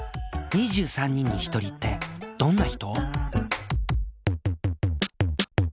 ２３人に１人ってどんな人？